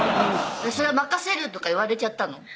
「それは任せる？」とか言われちゃったの？